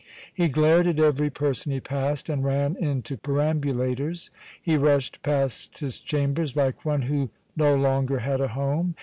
He glared at every person he passed, and ran into perambulators. He rushed past his chambers like one who no longer had a home.